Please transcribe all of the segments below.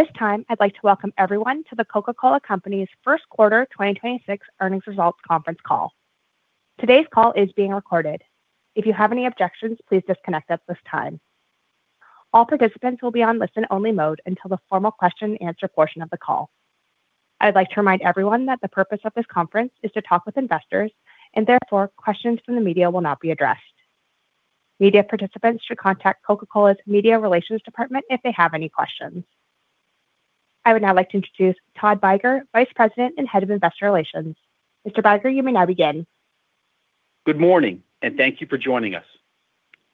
At this time, I'd like to welcome everyone to The Coca-Cola Company's first quarter 2026 earnings results conference call. Today's call is being recorded. If you have any objections, please disconnect at this time. All participants will be on listen-only mode until the formal question-and-answer portion of the call. I'd like to remind everyone that the purpose of this conference is to talk with investors, and therefore, questions from the media will not be addressed. Media participants should contact Coca-Cola's media relations department if they have any questions. I would now like to introduce Todd Beiger, Vice President and Head of Investor Relations. Mr. Beiger, you may now begin. Good morning, and thank you for joining us.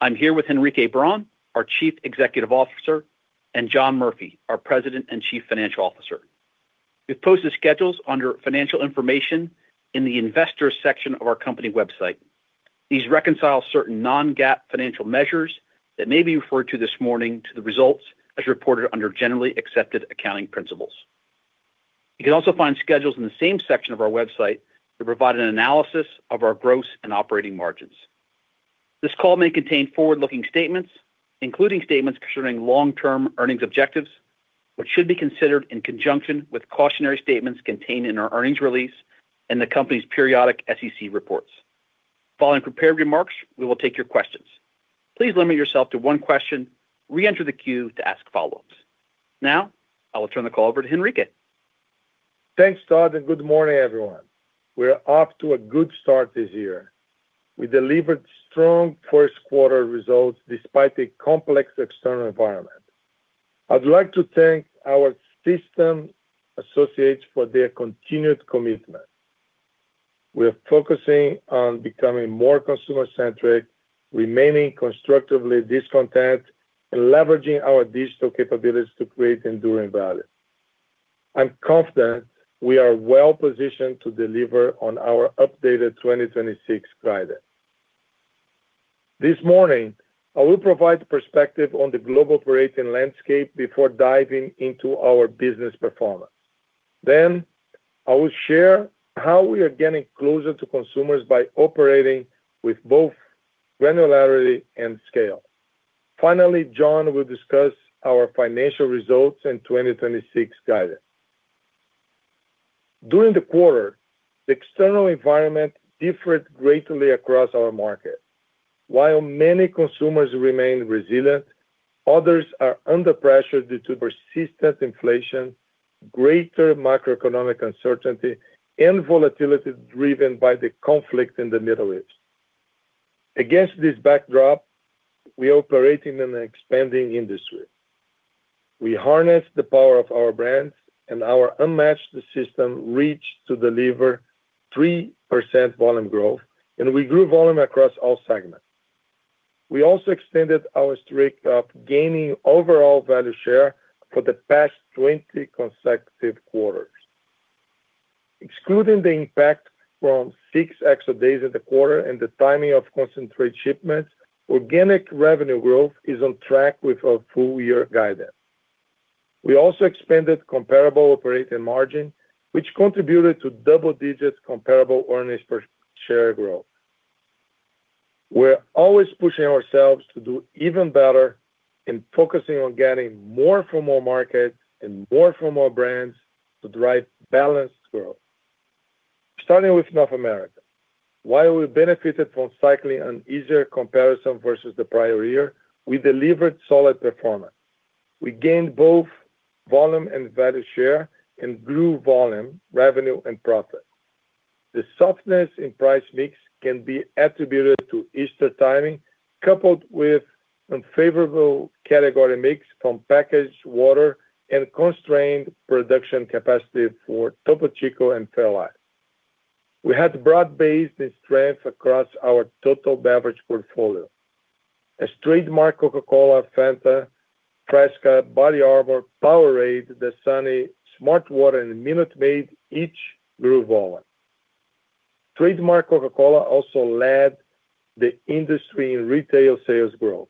I'm here with Henrique Braun, our Chief Executive Officer, and John Murphy, our President and Chief Financial Officer. We've posted schedules under financial information in the investor section of our company website. These reconcile certain non-GAAP financial measures that may be referred to this morning to the results as reported under Generally Accepted Accounting Principles. You can also find schedules in the same section of our website that provide an analysis of our gross and operating margins. This call may contain forward-looking statements, including statements concerning long-term earnings objectives, which should be considered in conjunction with cautionary statements contained in our earnings release and the company's periodic SEC reports. Following prepared remarks, we will take your questions. Please limit yourself to one question. Reenter the queue to ask follow-ups. I will turn the call over to Henrique. Thanks, Todd. Good morning, everyone. We're off to a good start this year. We delivered strong first quarter results despite a complex external environment. I'd like to thank our system associates for their continued commitment. We're focusing on becoming more consumer-centric, remaining constructively discontent, and leveraging our digital capabilities to create enduring value. I'm confident we are well-positioned to deliver on our updated 2026 guidance. This morning, I will provide perspective on the global operating landscape before diving into our business performance. I will share how we are getting closer to consumers by operating with both granularity and scale. Finally, John will discuss our financial results in 2026 guidance. During the quarter, the external environment differed greatly across our market. While many consumers remain resilient, others are under pressure due to persistent inflation, greater macroeconomic uncertainty, and volatility driven by the conflict in the Middle East. Against this backdrop, we operate in an expanding industry. We harness the power of our brands and our unmatched system reach to deliver 3% volume growth, and we grew volume across all segments. We also extended our streak of gaining overall value share for the past 20 consecutive quarters. Excluding the impact from six extra days in the quarter and the timing of concentrate shipments, organic revenue growth is on track with our full-year guidance. We also expanded comparable operating margin, which contributed to double-digit comparable earnings per share growth. We're always pushing ourselves to do even better and focusing on getting more from our market and more from our brands to drive balanced growth. Starting with North America. While we benefited from cycling and easier comparison versus the prior year, we delivered solid performance. We gained both volume and value share and grew volume, revenue, and profit. The softness in price/mix can be attributed to Easter timing, coupled with unfavorable category mix from packaged water and constrained production capacity for Topo Chico and fairlife. We had broad-based strength across our total beverage portfolio. Trademark Coca-Cola, Fanta, Fresca, BODYARMOR, Powerade, Dasani, smartwater, and Minute Maid each grew volume. Trademark Coca-Cola also led the industry in retail sales growth.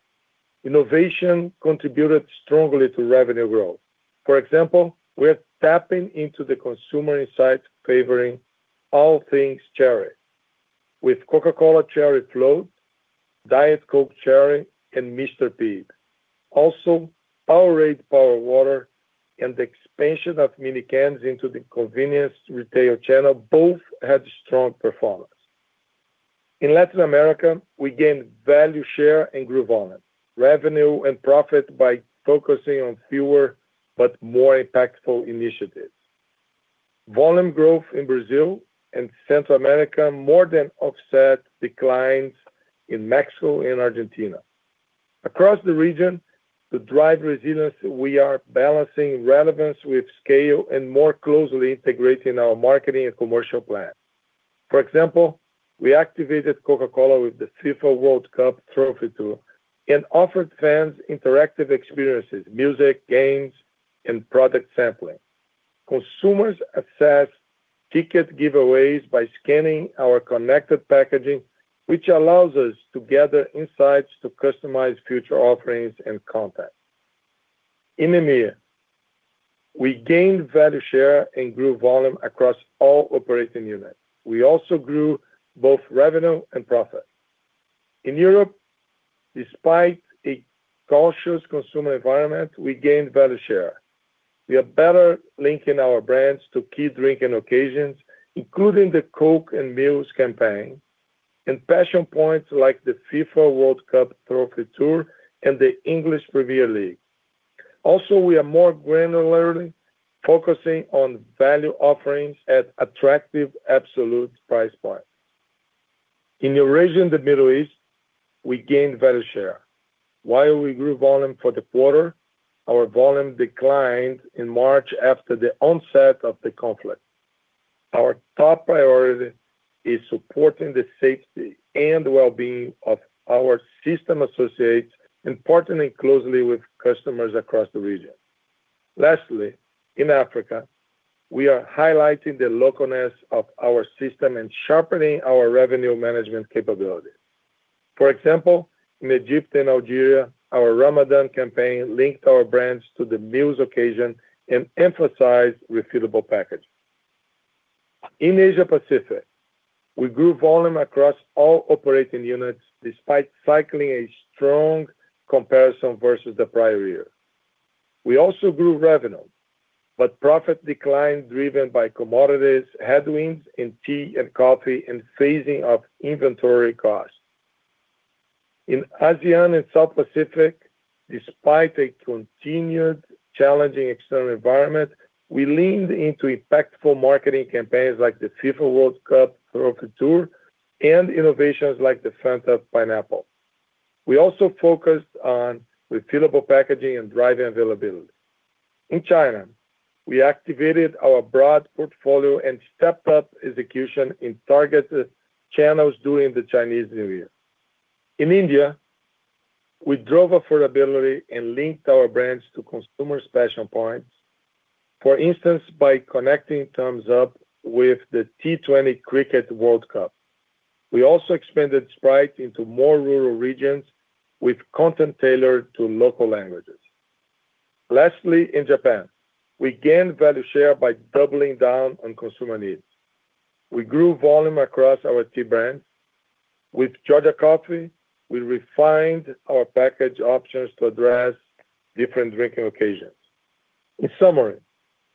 Innovation contributed strongly to revenue growth. For example, we're tapping into the consumer insights favoring all things cherry with Coca-Cola Cherry Float, Diet Coke Cherry, and Mr. Pibb. Powerade Power Water and the expansion of mini cans into the convenience retail channel both had strong performance. In Latin America, we gained value share and grew volume, revenue, and profit by focusing on fewer but more impactful initiatives. Volume growth in Brazil and Central America more than offset declines in Mexico and Argentina. Across the region, to drive resilience, we are balancing relevance with scale and more closely integrating our marketing and commercial plan. For example, we activated Coca-Cola with the FIFA World Cup Trophy Tour and offered fans interactive experiences, music, games, and product sampling. Consumers accessed ticket giveaways by scanning our connected packaging, which allows us to gather insights to customize future offerings and content. In EMEA, we gained value share and grew volume across all operating units. We also grew both revenue and profit. In Europe, despite a cautious consumer environment, we gained value share. We are better linking our brands to key drinking occasions, including the Coke and meals campaign and passion points like the FIFA World Cup Trophy Tour and the English Premier League. Also, we are more granularly focusing on value offerings at attractive absolute price points. In the region of the Middle East, we gained value share. While we grew volume for the quarter, our volume declined in March after the onset of the conflict. Our top priority is supporting the safety and well-being of our system associates and partnering closely with customers across the region. Lastly, in Africa, we are highlighting the localness of our system and sharpening our revenue management capabilities. For example, in Egypt and Algeria, our Ramadan campaign linked our brands to the meals occasion and emphasized refillable packaging. In Asia Pacific, we grew volume across all operating units despite cycling a strong comparison versus the prior year. We also grew revenue, but profit declined driven by commodities, headwinds in tea and coffee, and phasing of inventory costs. In ASEAN and South Pacific, despite a continued challenging external environment, we leaned into impactful marketing campaigns like the FIFA World Cup Trophy Tour and innovations like the Fanta Pineapple. We also focused on refillable packaging and driving availability. In China, we activated our broad portfolio and stepped up execution in targeted channels during the Chinese New Year. In India, we drove affordability and linked our brands to consumer passion points, for instance, by connecting Thums Up with the T20 Cricket World Cup. We also expanded Sprite into more rural regions with content tailored to local languages. Lastly, in Japan, we gained value share by doubling down on consumer needs. We grew volume across our tea brands. With Georgia Coffee, we refined our package options to address different drinking occasions. In summary,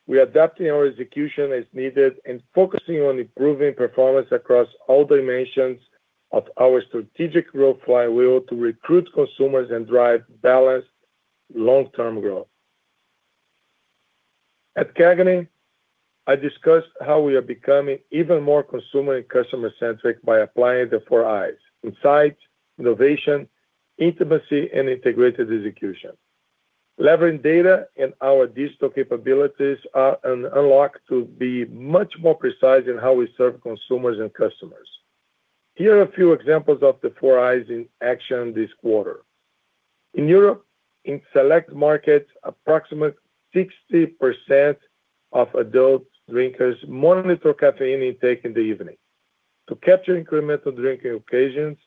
we are adapting our execution as needed and focusing on improving performance across all dimensions of our strategic growth flywheel to recruit consumers and drive balanced long-term growth. At CAGNY, I discussed how we are becoming even more consumer and customer-centric by applying the four I's, Insights, Innovation, Intimacy, and Integrated execution. Leveraging data and our digital capabilities are an unlock to be much more precise in how we serve consumers and customers. Here are a few examples of the four I's in action this quarter. In Europe, in select markets, approximately 60% of adult drinkers monitor caffeine intake in the evening. To capture incremental drinking occasions,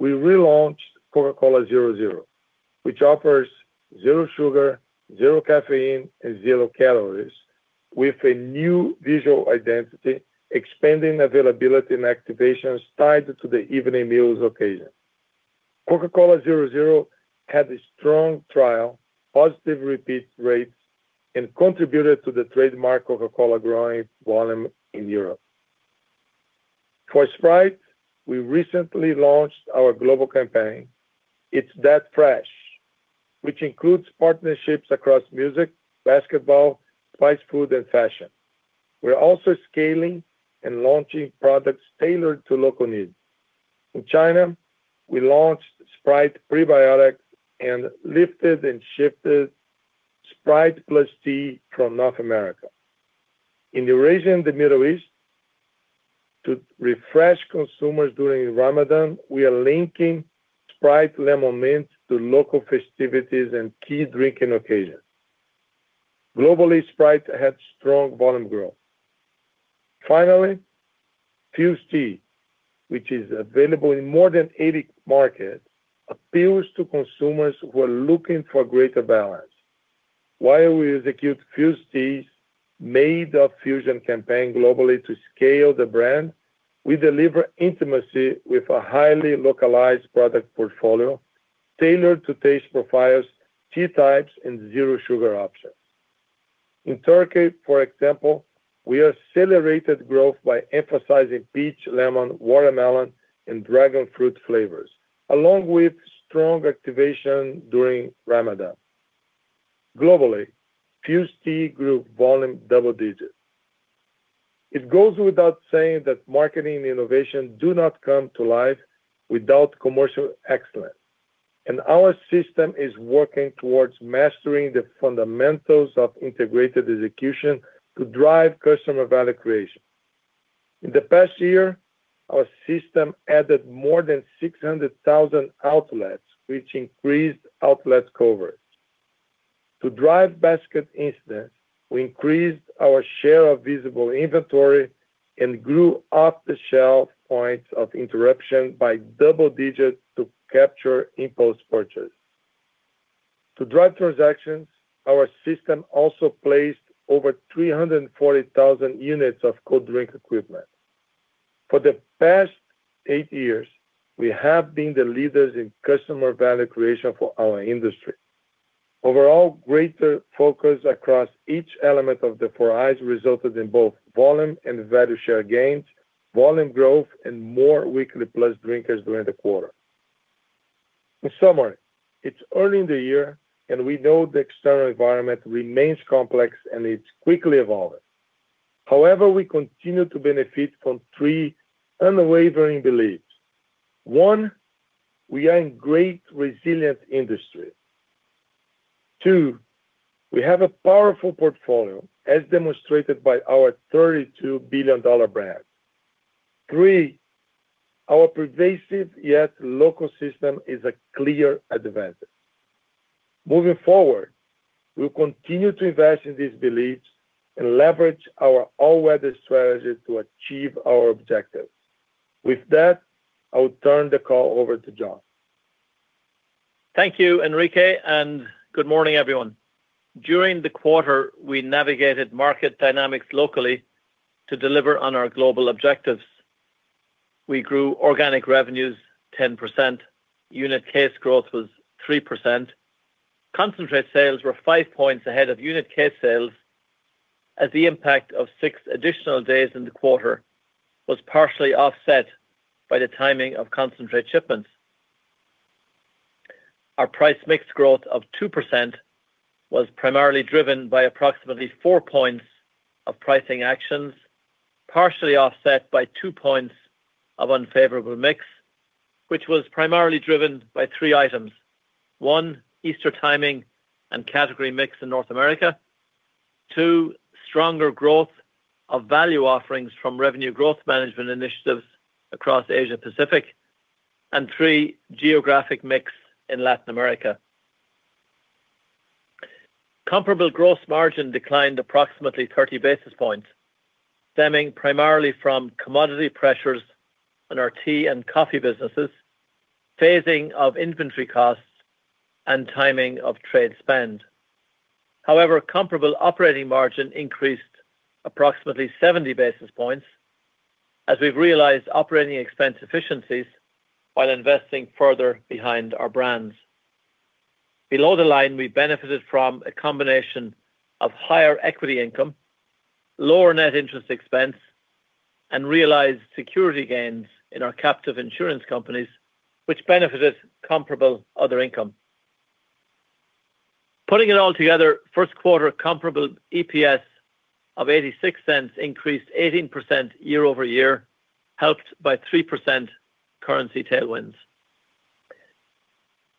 we relaunched Coca-Cola Zero Zero, which offers zero sugar, zero caffeine, and zero calories with a new visual identity, expanding availability and activations tied to the evening meals occasion. Coca-Cola Zero Zero had a strong trial, positive repeat rates, and contributed to the trademark Coca-Cola growing volume in Europe. For Sprite, we recently launched our global campaign, It's That Fresh, which includes partnerships across music, basketball, fast food, and fashion. We're also scaling and launching products tailored to local needs. In China, we launched Sprite Prebiotic and lifted and shifted Sprite + Tea from North America. In the region of the Middle East, to refresh consumers during Ramadan, we are linking Sprite Lemon Mint to local festivities and key drinking occasions. Globally, Sprite had strong volume growth. Finally, Fuze Tea, which is available in more than 80 markets, appeals to consumers who are looking for greater balance. While we execute Fuze Tea's Made of Fusion campaign globally to scale the brand, we deliver intimacy with a highly localized product portfolio tailored to taste profiles, tea types, and zero sugar options. In Turkey, for example, we accelerated growth by emphasizing peach, lemon, watermelon, and dragon fruit flavors, along with strong activation during Ramadan. Globally, Fuze Tea grew volume double digits. It goes without saying that marketing and innovation do not come to life without commercial excellence, and our system is working towards mastering the fundamentals of integrated execution to drive customer value creation. In the past year, our system added more than 600,000 outlets, which increased outlet cover. To drive basket incidence, we increased our share of visible inventory and grew off-the-shelf points of interruption by double digits to capture impulse purchase. To drive transactions, our system also placed over 340,000 units of cold drink equipment. For the past eight years, we have been the leaders in customer value creation for our industry. Overall, greater focus across each element of the four I's resulted in both volume and value share gains, volume growth, and more weekly plus drinkers during the quarter. In summary, it's early in the year, and we know the external environment remains complex, and it's quickly evolving. However, we continue to benefit from three unwavering beliefs. One, we are in great resilient industry. Two, we have a powerful portfolio, as demonstrated by our $32 billion-dollar brand. Three, our pervasive yet local system is a clear advantage. Moving forward, we'll continue to invest in these beliefs and leverage our all-weather strategies to achieve our objectives. With that, I'll turn the call over to John. Thank you, Henrique. Good morning, everyone. During the quarter, we navigated market dynamics locally to deliver on our global objectives. We grew organic revenues 10%. Unit case growth was 3%. Concentrate sales were 5 points ahead of unit case sales as the impact of six additional days in the quarter was partially offset by the timing of concentrate shipments. Our price/mix growth of 2% was primarily driven by approximately 4 points of pricing actions, partially offset by 2 points of unfavorable mix, which was primarily driven by three items. One, Easter timing and category mix in North America. Two, stronger growth of value offerings from revenue growth management initiatives across Asia-Pacific. Three, geographic mix in Latin America. Comparable gross margin declined approximately 30 basis points, stemming primarily from commodity pressures on our tea and coffee businesses, phasing of inventory costs, and timing of trade spend. Comparable operating margin increased approximately 70 basis points, as we've realized operating expense efficiencies while investing further behind our brands. Below the line, we benefited from a combination of higher equity income, lower net interest expense, and realized security gains in our captive insurance companies, which benefited comparable other income. Putting it all together, first quarter comparable EPS of $0.86 increased 18% year-over-year, helped by 3% currency tailwinds.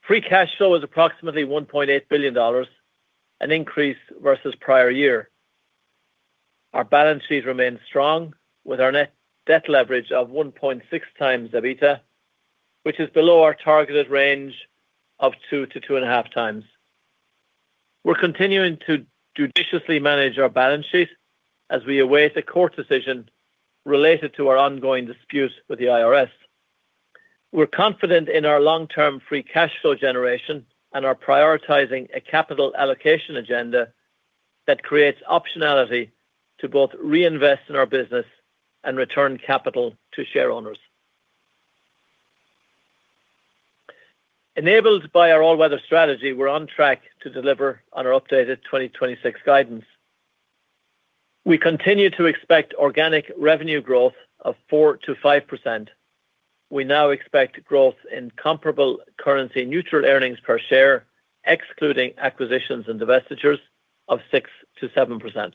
Free cash flow is approximately $1.8 billion, an increase versus prior year. Our balance sheet remains strong with our net debt leverage of 1.6x EBITDA, which is below our targeted range of 2x-2.5x. We're continuing to judiciously manage our balance sheet as we await a court decision related to our ongoing dispute with the IRS. We're confident in our long-term free cash flow generation and are prioritizing a capital allocation agenda that creates optionality to both reinvest in our business and return capital to share owners. Enabled by our all-weather strategy, we're on track to deliver on our updated 2026 guidance. We continue to expect organic revenue growth of 4%-5%. We now expect growth in comparable currency neutral earnings per share, excluding acquisitions and divestitures, of 6%-7%.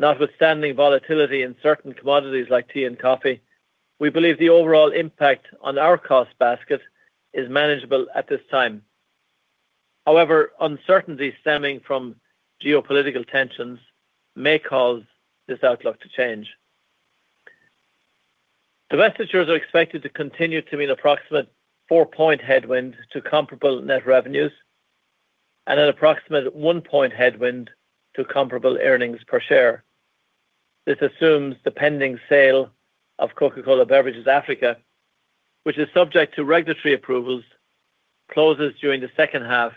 Notwithstanding volatility in certain commodities like tea and coffee, we believe the overall impact on our cost basket is manageable at this time. However, uncertainty stemming from geopolitical tensions may cause this outlook to change. Divestitures are expected to continue to be an approximate 4-point headwind to comparable net revenues and an approximate 1-point headwind to comparable earnings per share. This assumes the pending sale of Coca-Cola Beverages Africa, which is subject to regulatory approvals, closes during the second half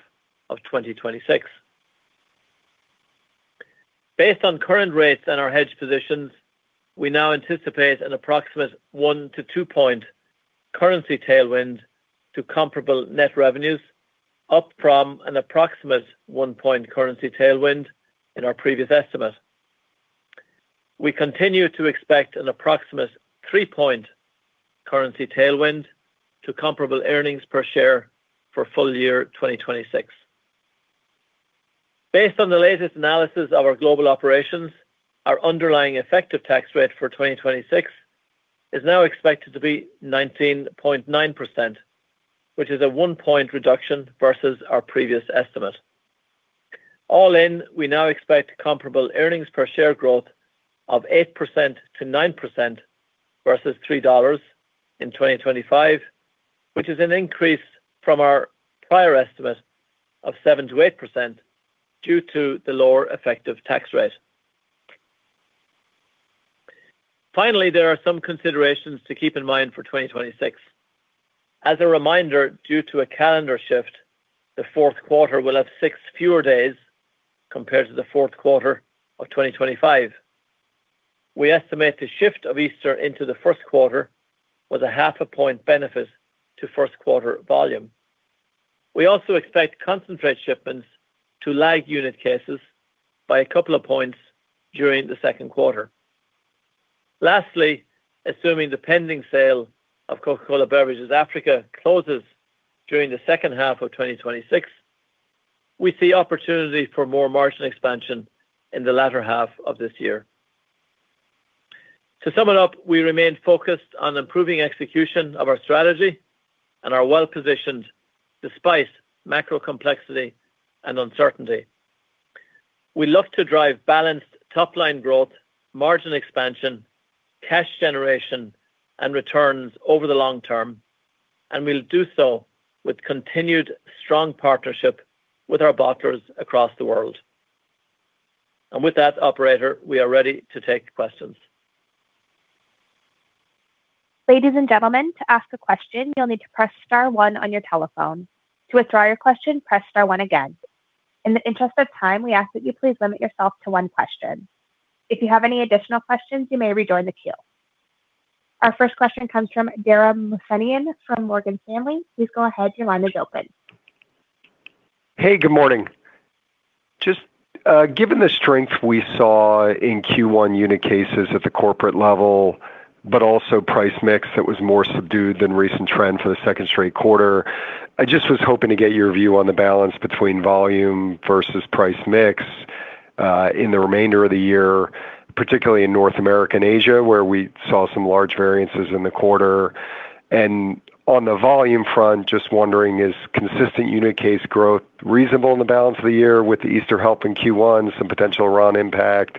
of 2026. Based on current rates and our hedge positions, we now anticipate an approximate 1-point to 2-point currency tailwind to comparable net revenues, up from an approximate 1-point currency tailwind in our previous estimate. We continue to expect an approximate 3-point currency tailwind to comparable earnings per share for full year 2026. Based on the latest analysis of our global operations, our underlying effective tax rate for 2026 is now expected to be 19.9%, which is a 1-point reduction versus our previous estimate. All in, we now expect comparable earnings per share growth of 8%-9% versus $3 in 2025, which is an increase from our prior estimate of 7%-8% due to the lower effective tax rate. Finally, there are some considerations to keep in mind for 2026. As a reminder, due to a calendar shift, the fourth quarter will have six fewer days compared to the fourth quarter of 2025. We estimate the shift of Easter into the first quarter with a half a point benefit to first quarter volume. We also expect concentrate shipments to lag unit cases by a couple of points during the second quarter. Lastly, assuming the pending sale of Coca-Cola Beverages Africa closes during the second half of 2026, we see opportunity for more margin expansion in the latter half of this year. To sum it up, we remain focused on improving execution of our strategy and are well-positioned despite macro complexity and uncertainty. We look to drive balanced top-line growth, margin expansion, cash generation, and returns over the long term, and we'll do so with continued strong partnership with our bottlers across the world. With that, operator, we are ready to take questions. Ladies and gentlemen, to ask a question, you'll need to press star one on your telephone. To withdraw your question, press star one again. In the interest of time, we ask that you please limit yourself to one question. If you have any additional questions, you may rejoin the queue. Our first question comes from Dara Mohsenian from Morgan Stanley. Please go ahead. Your line is open. Hey, good morning. Given the strength we saw in Q1 unit cases at the corporate level, but also price/mix that was more subdued than recent trends for the second straight quarter, I was hoping to get your view on the balance between volume versus price/mix in the remainder of the year, particularly in North America and Asia, where we saw some large variances in the quarter. On the volume front, just wondering, is consistent unit case growth reasonable in the balance of the year with the Easter help in Q1, some potential Ramadan impact?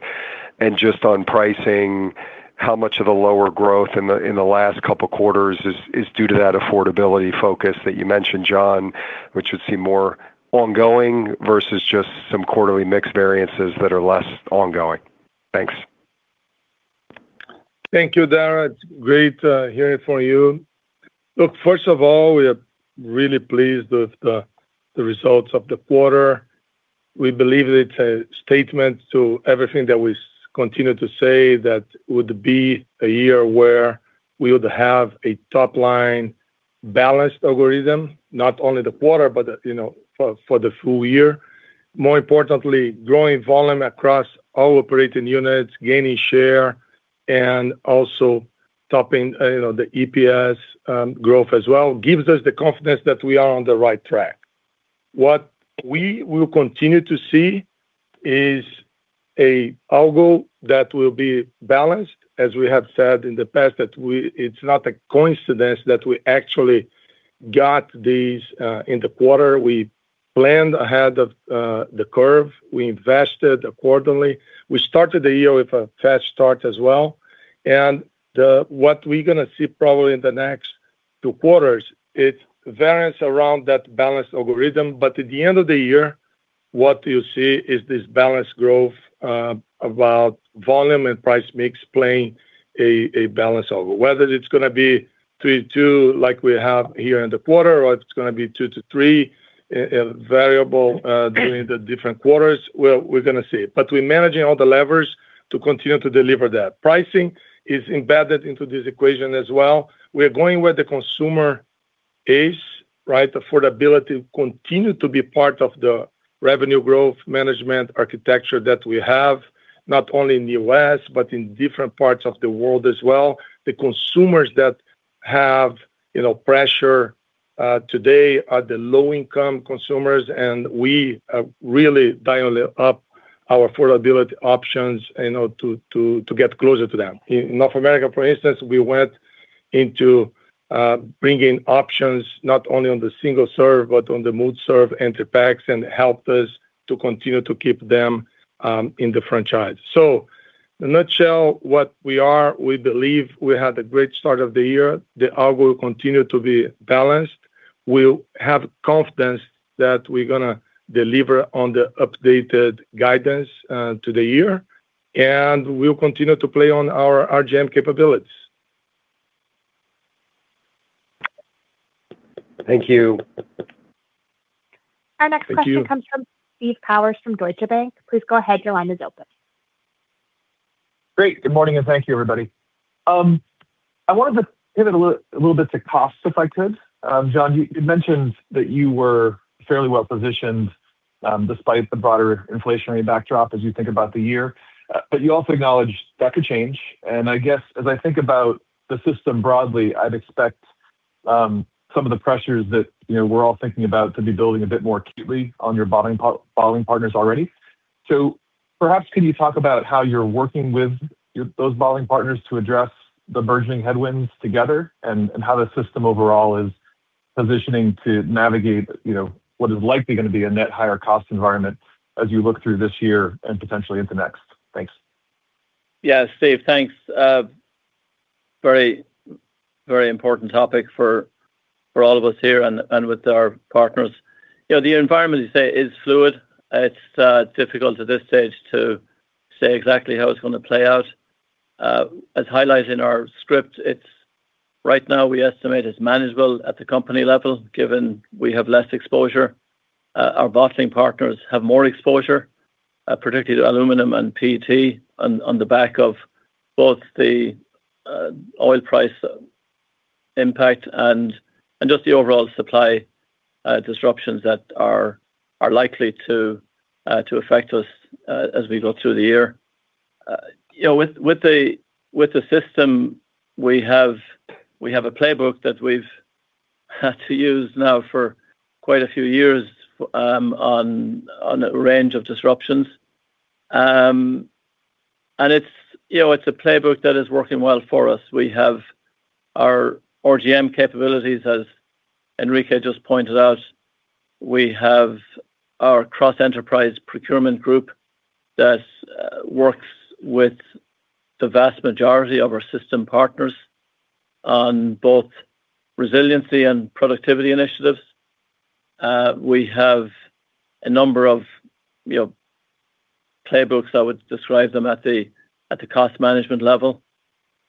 Just on pricing, how much of the lower growth in the last couple quarters is due to that affordability focus that you mentioned, John, which would seem more ongoing versus just some quarterly mix variances that are less ongoing? Thanks. Thank you, Dara. It's great hearing from you. Look, first of all, we are really pleased with the results of the quarter. We believe it's a statement to everything that we continue to say that would be a year where we would have a top-line balanced algorithm, not only the quarter, but, you know, for the full year. More importantly, growing volume across our operating units, gaining share, and also topping, you know, the EPS growth as well, gives us the confidence that we are on the right track. What we will continue to see is a algo that will be balanced, as we have said in the past, it's not a coincidence that we actually got these in the quarter. We planned ahead of the curve. We invested accordingly. We started the year with a fast start as well. What we're gonna see probably in the next two quarters, it variance around that balanced algorithm. At the end of the year, what you see is this balanced growth about volume and price/mix playing a balance algo. Whether it's gonna be three to two like we have here in the quarter or it's gonna be two to three variable during the different quarters, well, we're gonna see. We're managing all the levers to continue to deliver that. Pricing is embedded into this equation as well. We're going where the consumer is, right? Affordability continue to be part of the revenue growth management architecture that we have, not only in the U.S., but in different parts of the world as well. The consumers that have, you know, pressure today are the low-income consumers, and we are really dialing up our affordability options, you know, to get closer to them. In North America, for instance, we went into bringing options not only on the single-serve, but on the multi-serve and the packs and helped us to continue to keep them in the franchise. In a nutshell, we believe we had a great start of the year. The continue to be balanced. We have confidence that we're gonna deliver on the updated guidance to the year, and we'll continue to play on our RGM capabilities. Thank you. Thank you. Our next question comes from Steve Powers from Deutsche Bank. Please go ahead. Your line is open. Great. Good morning, and thank you, everybody. I wanted to pivot a little bit to costs, if I could. John, you mentioned that you were fairly well-positioned despite the broader inflationary backdrop as you think about the year. You also acknowledged that could change. I guess as I think about the system broadly, I'd expect some of the pressures that, you know, we're all thinking about to be building a bit more acutely on your bottling partners already. Perhaps could you talk about how you're working with those bottling partners to address the burgeoning headwinds together and how the system overall is positioning to navigate, you know, what is likely going to be a net higher cost environment as you look through this year and potentially into next? Thanks. Yeah, Steve, thanks. Very important topic for all of us here and with our partners. You know, the environment you say is fluid. It's difficult at this stage to say exactly how it's gonna play out. As highlighted in our script, it's right now we estimate it's manageable at the company level, given we have less exposure. Our bottling partners have more exposure, particularly to aluminum and PET on the back of both the oil price impact and just the overall supply disruptions that are likely to affect us as we go through the year. You know, with the system we have, we have a playbook that we've had to use now for quite a few years on a range of disruptions. It's, you know, it's a playbook that is working well for us. We have our RGM capabilities, as Henrique just pointed out. We have our cross-enterprise procurement group that works with the vast majority of our system partners on both resiliency and productivity initiatives. We have a number of, you know, playbooks, I would describe them at the cost management level.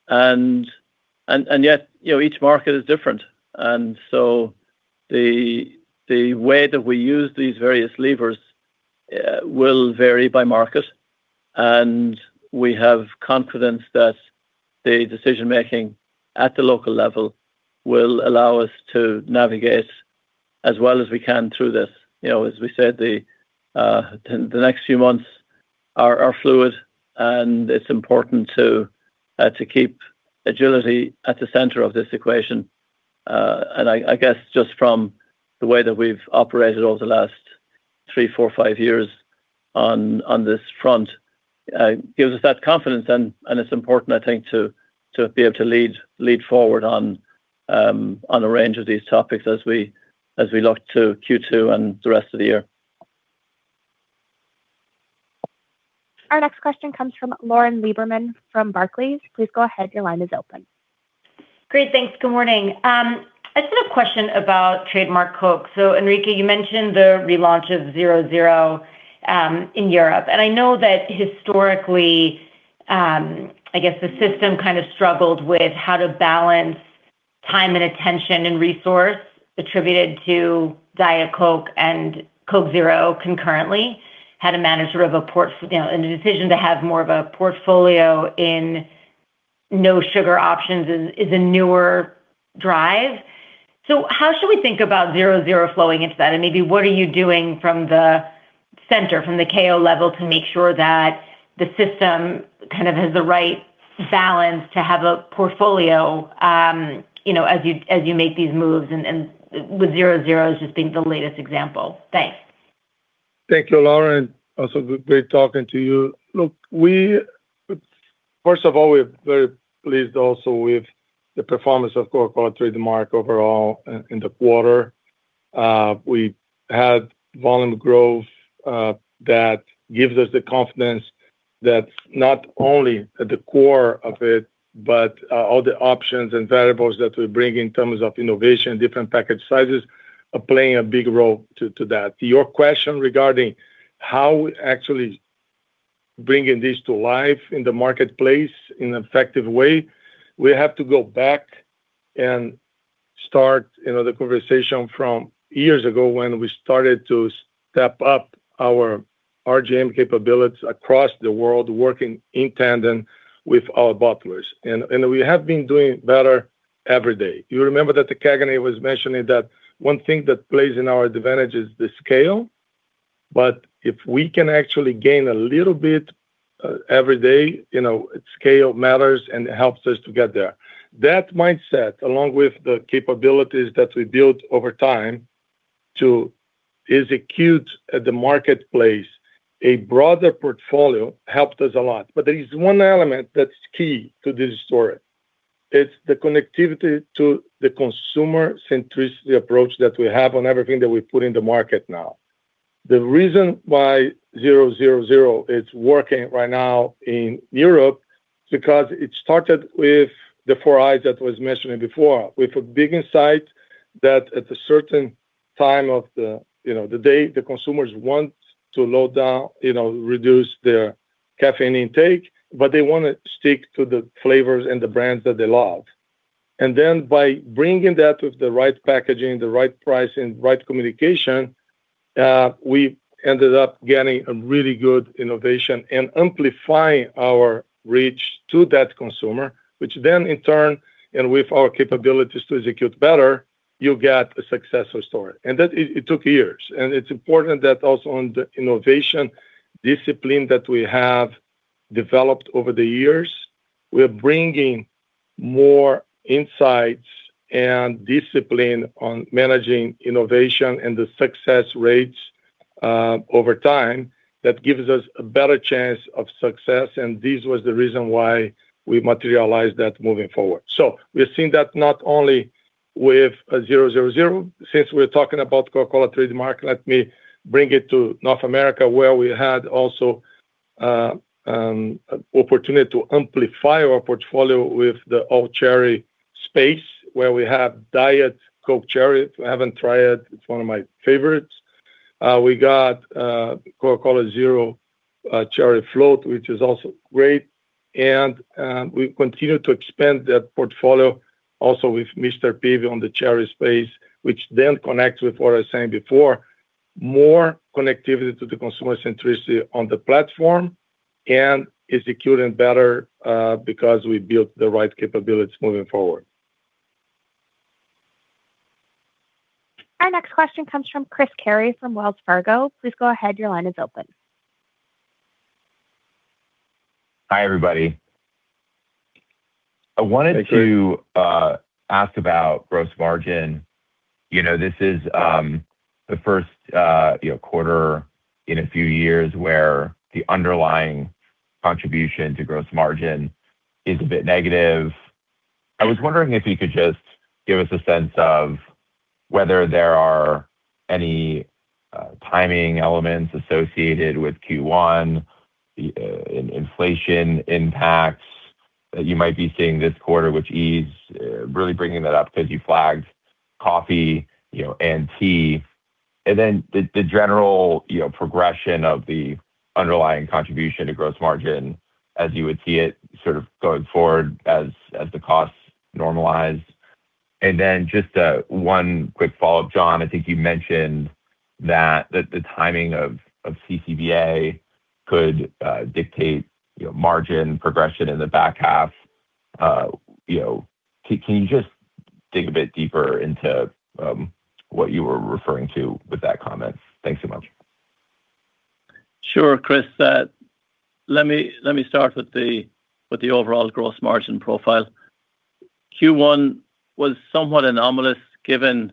Yet, you know, each market is different. The way that we use these various levers will vary by market. We have confidence that the decision-making at the local level will allow us to navigate as well as we can through this. You know, as we said, the next few months are fluid, and it's important to keep agility at the center of this equation. I guess just from the way that we've operated over the last three, four, five years on this front, gives us that confidence and it's important, I think, to be able to lead forward on a range of these topics as we look to Q2 and the rest of the year. Our next question comes from Lauren Lieberman from Barclays. Please go ahead, your line is open. Great. Thanks. Good morning. I just have a question about trademark Coke. Henrique, you mentioned the relaunch of Zero Zero in Europe. I know that historically, I guess the system kind of struggled with how to balance time and attention and resource attributed to Diet Coke and Coke Zero concurrently, how to manage you know, and the decision to have more of a portfolio in no sugar options is a newer drive. How should we think about Zero Zero flowing into that? Maybe what are you doing from the center, from the KO level to make sure that the system kind of has the right balance to have a portfolio, you know, as you, as you make these moves and with Zero Zeros just being the latest example? Thanks. Thank you, Lauren. Also good, great talking to you. First of all, we're very pleased also with the performance of Coca-Cola trademark overall in the quarter. We had volume growth that gives us the confidence that not only at the core of it, but all the options and variables that we bring in terms of innovation, different package sizes, are playing a big role to that. To your question regarding how actually bringing this to life in the marketplace in an effective way, we have to go back and start, you know, the conversation from years ago when we started to step up our RGM capabilities across the world, working in tandem with our bottlers. We have been doing better every day. You remember that the CAGNY was mentioning that one thing that plays in our advantage is the scale. If we can actually gain a little bit, every day, you know, scale matters, and it helps us to get there. That mindset, along with the capabilities that we built over time to execute at the marketplace, a broader portfolio helped us a lot. There is one element that's key to this story. It's the connectivity to the consumer centricity approach that we have on everything that we put in the market now. The reason why Zero Zero Zero is working right now in Europe, because it started with the four I's that was mentioning before, with a big insight that at a certain time of the, you know, the day, the consumers want to load down, you know, reduce their caffeine intake, but they wanna stick to the flavors and the brands that they love. By bringing that with the right packaging, the right pricing, right communication, we ended up getting a really good innovation and amplifying our reach to that consumer, which then in turn, and with our capabilities to execute better, you get a successful story. That it took years. It's important that also on the innovation discipline that we have developed over the years, we're bringing more insights and discipline on managing innovation and the success rates over time that gives us a better chance of success. This was the reason why we materialized that moving forward. We're seeing that not only with Zero Zero Zero. Since we're talking about Coca-Cola trademark, let me bring it to North America, where we had also opportunity to amplify our portfolio with the all cherry space, where we have Diet Coke Cherry. If you haven't tried it's one of my favorites. We got Coca-Cola Zero Cherry Float, which is also great. We continue to expand that portfolio also with Mr. Pibb on the cherry space, which then connects with what I was saying before, more connectivity to the consumer centricity on the platform and executing better because we built the right capabilities moving forward. Our next question comes from Chris Carey from Wells Fargo. Please go ahead, your line is open. Hi, everybody. Hi, Chris. I wanted to ask about gross margin. You know, this is, the first, you know, quarter in a few years where the underlying contribution to gross margin is a bit negative. I was wondering if you could just give us a sense of whether there are any timing elements associated with Q1, the in-inflation impacts that you might be seeing this quarter, which is really bringing that up 'cause you flagged coffee, you know, and tea. Then the general, you know, progression of the underlying contribution to gross margin as you would see it sort of going forward as the costs normalize. Then just one quick follow-up. John, I think you mentioned that the timing of CCBA could dictate, you know, margin progression in the back half. You know, can you just dig a bit deeper into what you were referring to with that comment? Thanks so much. Sure, Chris. Let me start with the overall gross margin profile. Q1 was somewhat anomalous given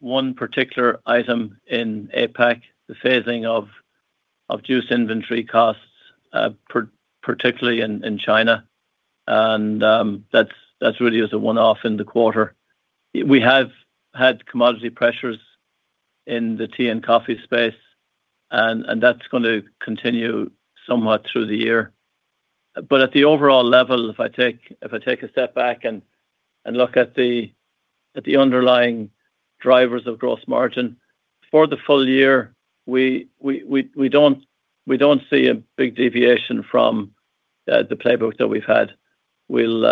one particular item in APAC, the phasing of juice inventory costs, particularly in China. That's really is a one-off in the quarter. We have had commodity pressures in the tea and coffee space and that's going to continue somewhat through the year. At the overall level, if I take a step back and look at the underlying drivers of gross margin, for the full year, we don't see a big deviation from the playbook that we've had. We'll,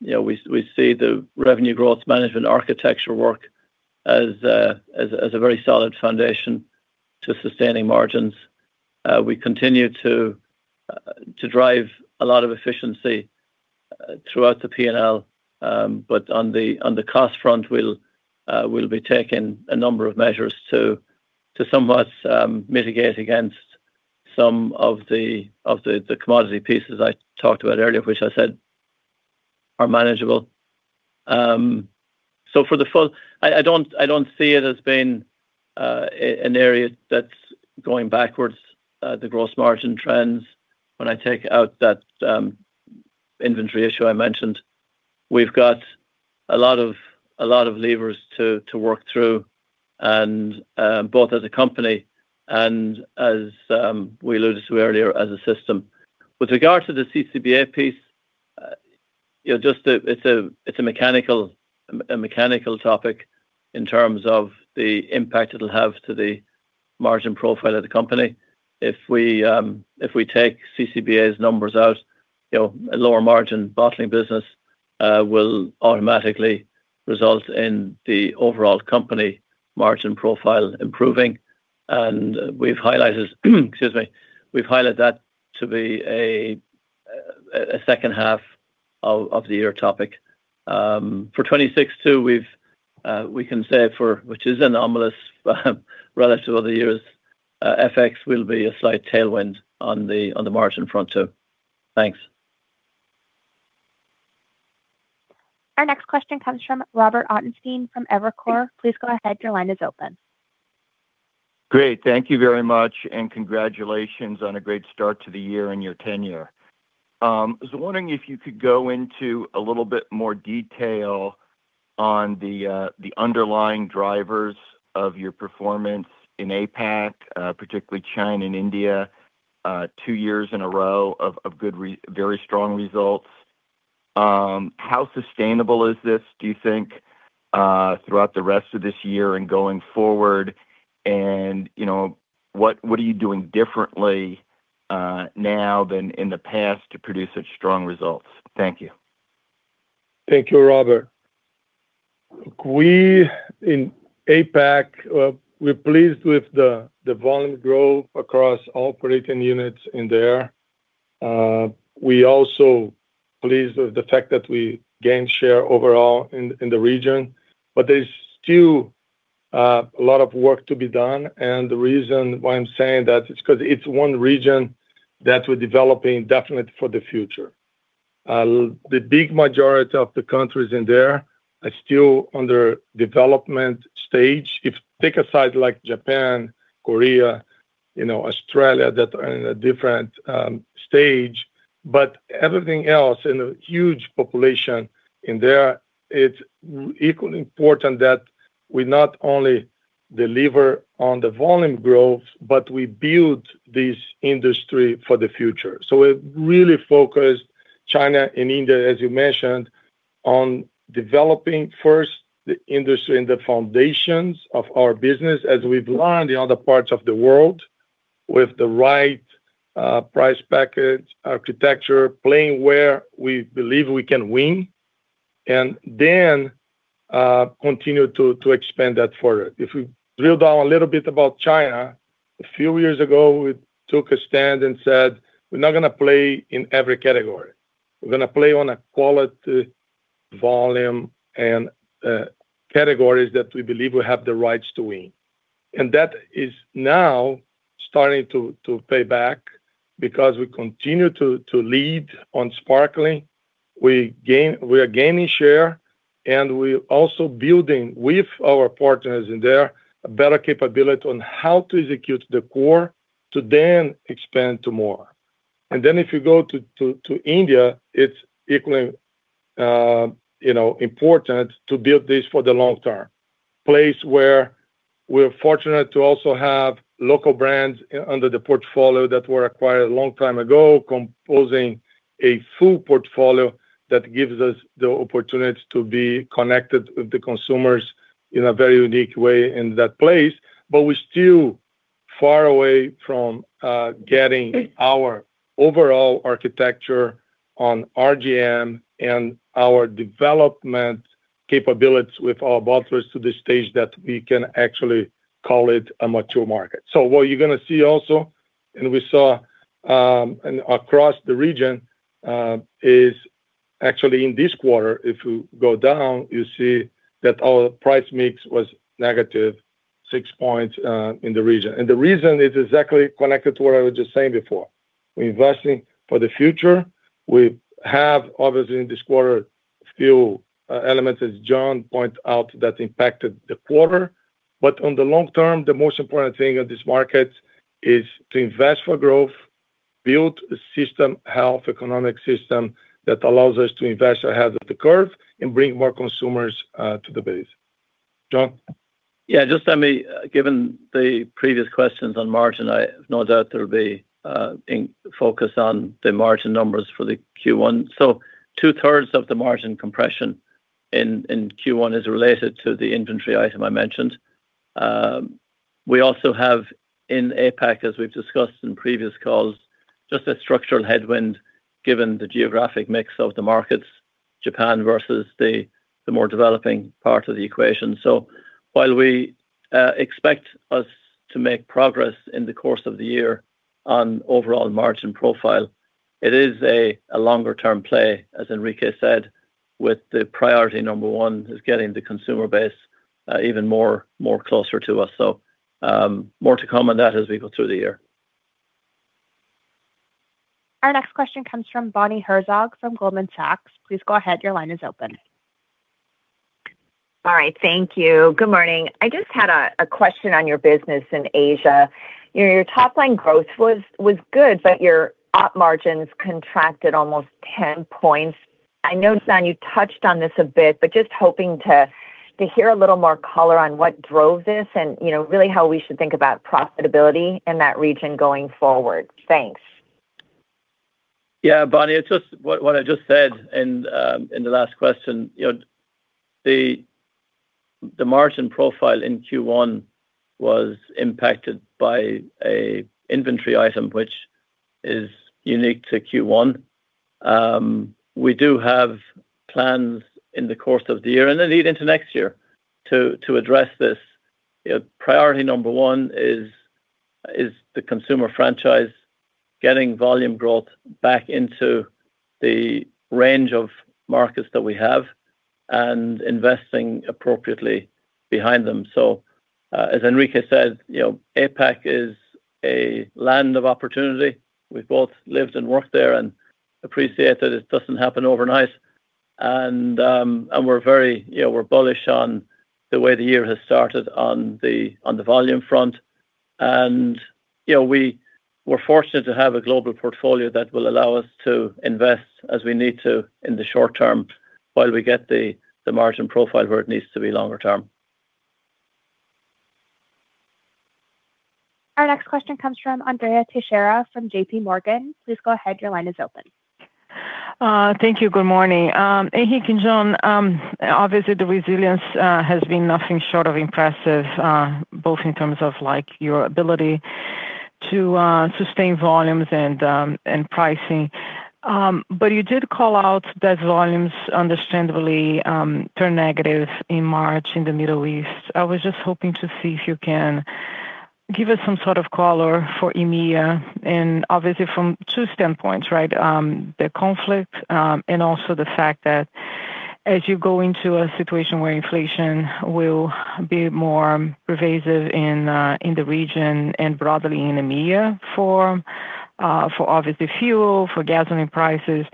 you know, we see the revenue growth management architecture work as a very solid foundation to sustaining margins. We continue to drive a lot of efficiency throughout the P&L. On the cost front, we'll be taking a number of measures to somewhat mitigate against some of the commodity pieces I talked about earlier, which I said are manageable. I don't see it as being an area that's going backwards, the gross margin trends when I take out that inventory issue I mentioned. We've got a lot of levers to work through and both as a company and as we alluded to earlier, as a system. With regard to the CCBA piece, you know, it's a mechanical topic in terms of the impact it'll have to the margin profile of the company. If we take CCBA's numbers out, you know, a lower margin bottling business will automatically result in the overall company margin profile improving. We've highlighted, excuse me, we've highlighted that to be a second half of the year topic. For 2026 too, we've, we can say for, which is anomalous, relative to other years, FX will be a slight tailwind on the margin front too. Thanks. Our next question comes from Robert Ottenstein from Evercore. Please go ahead, your line is open. Great. Thank you very much. Congratulations on a great start to the year and your tenure. I was wondering if you could go into a little bit more detail on the underlying drivers of your performance in APAC, particularly China and India, two years in a row of very strong results. How sustainable is this, do you think, throughout the rest of this year and going forward? You know, what are you doing differently now than in the past to produce such strong results? Thank you. Thank you, Robert. We in APAC, we're pleased with the volume growth across all operating units in there. We also pleased with the fact that we gained share overall in the region. There's still a lot of work to be done. The reason why I'm saying that is 'cause it's one region that we're developing definitely for the future. The big majority of the countries in there are still under development stage. Take aside like Japan, Korea, you know, Australia that are in a different stage. Everything else in a huge population in there, it's equally important that we not only deliver on the volume growth, but we build this industry for the future. We're really focused, China and India, as you mentioned, on developing first the industry and the foundations of our business as we've learned in other parts of the world with the right price package architecture, playing where we believe we can win, and then continue to expand that forward. If we drill down a little bit about China, a few years ago, we took a stand and said, "We're not gonna play in every category. We're gonna play on a quality, volume, and categories that we believe will have the rights to win." That is now starting to pay back because we continue to lead on sparkling. We are gaining share, and we're also building with our partners in there a better capability on how to execute the core to then expand to more. If you go to India, it's equally, you know, important to build this for the long term. Place where we're fortunate to also have local brands under the portfolio that were acquired a long time ago, composing a full portfolio that gives us the opportunity to be connected with the consumers in a very unique way in that place. We're still far away from getting our overall architecture on RGM and our development capabilities with our bottlers to the stage that we can actually call it a mature market. What you're gonna see also, we saw across the region, is actually in this quarter, if you go down, you see that our price/mix was -6 points in the region. The reason is exactly connected to what I was just saying before. We're investing for the future. We have obviously in this quarter few elements, as John pointed out, that impacted the quarter. On the long term, the most important thing in this market is to invest for growth, build a system health, economic system that allows us to invest ahead of the curve and bring more consumers to the base. John? Yeah, just let me, given the previous questions on margin, I have no doubt there'll be in focus on the margin numbers for the Q1. 2/3 of the margin compression in Q1 is related to the inventory item I mentioned. We also have in APAC, as we've discussed in previous calls, just a structural headwind given the geographic mix of the markets, Japan versus the more developing part of the equation. While we expect us to make progress in the course of the year on overall margin profile, it is a longer term play, as Henrique said, with the priority number one is getting the consumer base even more closer to us. More to come on that as we go through the year. Our next question comes from Bonnie Herzog from Goldman Sachs. Please go ahead, your line is open. All right, thank you. Good morning. I just had a question on your business in Asia. You know, your top line growth was good, but your op margins contracted almost 10 points. I noticed, and you touched on this a bit, but just hoping to hear a little more color on what drove this and, you know, really how we should think about profitability in that region going forward. Thanks. Bonnie, it's just what I just said in the last question. You know, the margin profile in Q1 was impacted by a inventory item which is unique to Q1. We do have plans in the course of the year and indeed into next year to address this. You know, priority number one is the consumer franchise getting volume growth back into the range of markets that we have and investing appropriately behind them. As Henrique said, you know, APAC is a land of opportunity. We've both lived and worked there and appreciate that it doesn't happen overnight. We're very, you know, we're bullish on the way the year has started on the volume front. You know, we were fortunate to have a global portfolio that will allow us to invest as we need to in the short term while we get the margin profile where it needs to be longer term. Our next question comes from Andrea Teixeira from JPMorgan. Please go ahead, your line is open. Thank you. Good morning. Henrique and John, obviously the resilience has been nothing short of impressive, both in terms of like your ability to sustain volumes and pricing. You did call out that volumes understandably turned negative in March in the Middle East. I was just hoping to see if you can give us some sort of color for EMEA, and obviously from two standpoints, right? The conflict, and also the fact that as you go into a situation where inflation will be more pervasive in the region and broadly in EMEA for obviously fuel, for gasoline prices,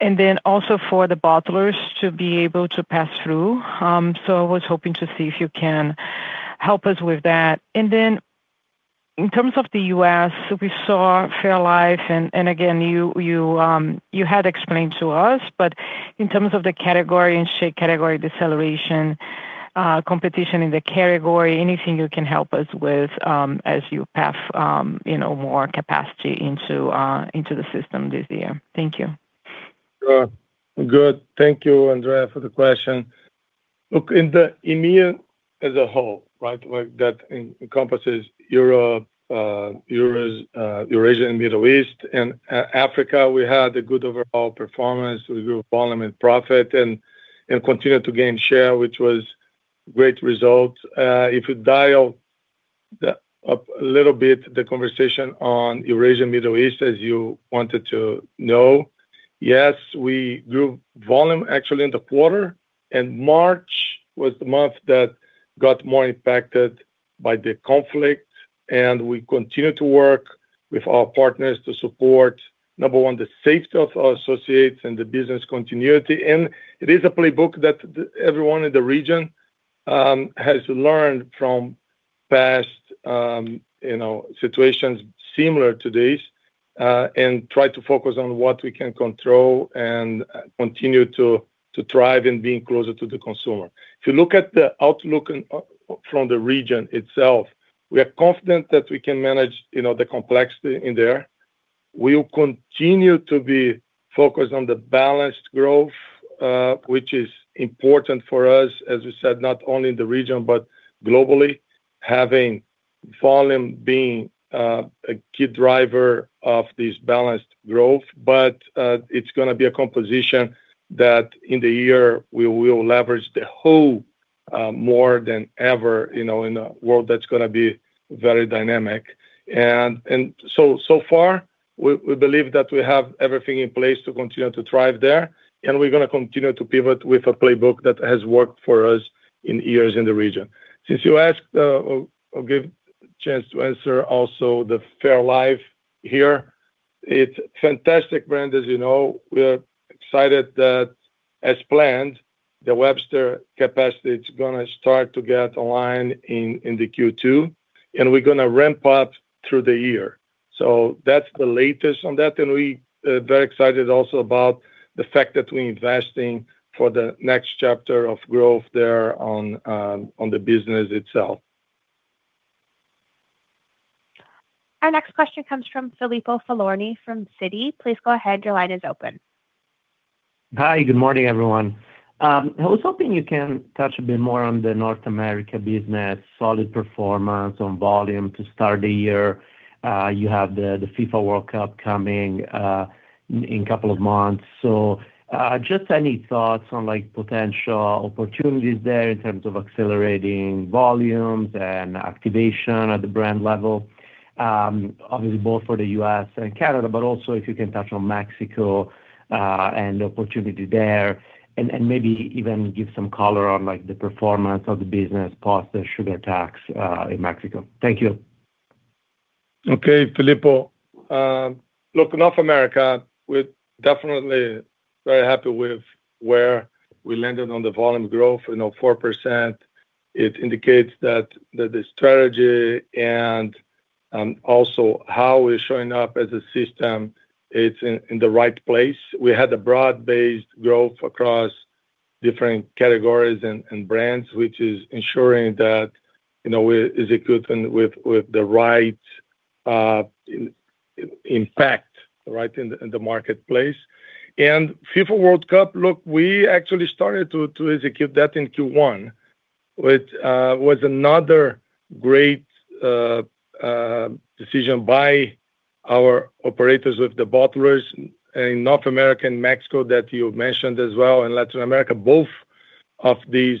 and also for the bottlers to be able to pass through. I was hoping to see if you can help us with that. In terms of the U.S., we saw fairlife, and again, you had explained to us, in terms of the category and share category deceleration, competition in the category, anything you can help us with as you pass, you know, more capacity into the system this year? Thank you. Sure. Good. Thank you, Andrea, for the question. Look, in the EMEA as a whole, right? Like, that encompasses Europe, Eurasian and Middle East and Africa, we had a good overall performance. We grew volume and profit and continued to gain share, which was great results. If you dial a little bit the conversation on Eurasian, Middle East, as you wanted to know. Yes, we grew volume actually in the quarter, and March was the month that got more impacted by the conflict, and we continue to work with our partners to support, number one, the safety of our associates and the business continuity. It is a playbook that everyone in the region has learned from past, you know, situations similar to this, and try to focus on what we can control and continue to thrive in being closer to the consumer. If you look at the outlook from the region itself, we are confident that we can manage, you know, the complexity in there. We'll continue to be focused on the balanced growth, which is important for us, as we said, not only in the region but globally, having volume being a key driver of this balanced growth. It's gonna be a composition that in the year we will leverage the whole more than ever, you know, in a world that's gonna be very dynamic. So far, we believe that we have everything in place to continue to thrive there, and we're gonna continue to pivot with a playbook that has worked for us in years in the region. Since you asked, I'll give chance to answer also the fairlife here. It's fantastic brand, as you know. We're excited that as planned, the Webster capacity, it's gonna start to get online in the Q2, and we're gonna ramp up through the year. That's the latest on that, and we very excited also about the fact that we investing for the next chapter of growth there on the business itself. Our next question comes from Filippo Falorni from Citi. Please go ahead, your line is open. Hi. Good morning, everyone. I was hoping you can touch a bit more on the North America business. Solid performance on volume to start the year. You have the FIFA World Cup coming in couple of months. Just any thoughts on, like, potential opportunities there in terms of accelerating volumes and activation at the brand level? Obviously both for the U.S. and Canada, but also if you can touch on Mexico and the opportunity there, and maybe even give some color on, like, the performance of the business post the sugar tax in Mexico. Thank you. Okay, Filippo. Look, North America, we're definitely very happy with where we landed on the volume growth. You know, 4%. It indicates that the strategy and also how we're showing up as a system, it's in the right place. We had a broad-based growth across different categories and brands, which is ensuring that, you know, we're executing with the right impact, right in the marketplace. FIFA World Cup, look, we actually started to execute that in Q1, which was another great decision by our operators with the bottlers in North America and Mexico that you mentioned as well, and Latin America. Both of these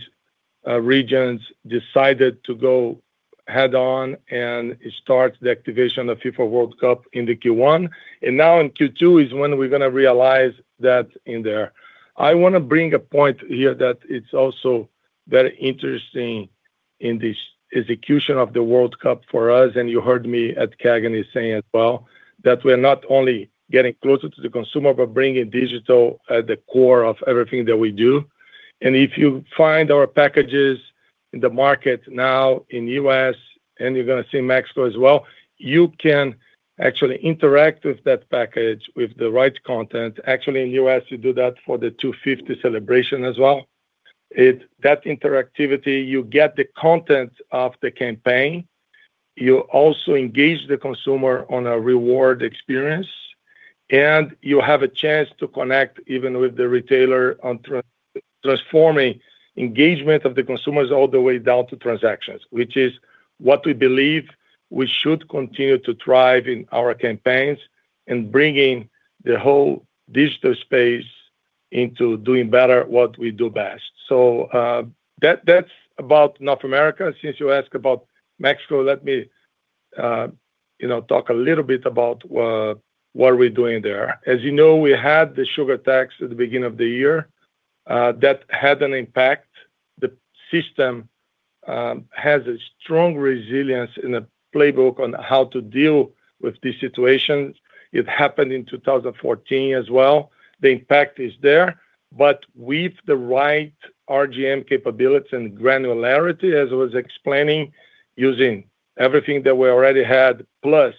regions decided to go head on and start the activation of FIFA World Cup in the Q1. Now in Q2 is when we're gonna realize that in there. I wanna bring a point here that it's also very interesting in this execution of the World Cup for us, and you heard me at CAGNY saying as well, that we're not only getting closer to the consumer, but bringing digital at the core of everything that we do. If you find our packages in the market now in U.S., and you're gonna see Mexico as well, you can actually interact with that package with the right content. Actually, in U.S., we do that for the 250 celebration as well. That interactivity, you get the content of the campaign, you also engage the consumer on a reward experience, and you have a chance to connect even with the retailer on transforming engagement of the consumers all the way down to transactions, which is what we believe we should continue to thrive in our campaigns and bringing the whole digital space into doing better what we do best. That's about North America. Since you asked about Mexico, let me, you know, talk a little bit about what we're doing there. As you know, we had the sugar tax at the beginning of the year. That had an impact. The system has a strong resilience in the playbook on how to deal with these situations. It happened in 2014 as well. The impact is there. With the right RGM capability and granularity, as I was explaining, using everything that we already had, plus